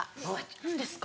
何ですか？